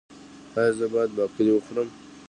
ایا زه باید باقلي وخورم؟